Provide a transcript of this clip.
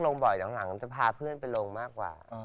ลงบ่อยหลังจะพาเพื่อนไปลงมากกว่า